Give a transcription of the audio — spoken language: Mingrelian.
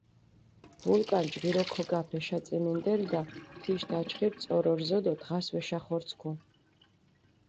ვულკან ჯგირო ქოგაფჷ ეშაწიმინდელდა, თიშ დაჩხირი წორო რზჷ დო დღას ვეშახორცქუ.